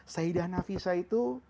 sayyidah nafisah itu